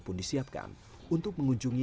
pun disiapkan untuk mengunjungi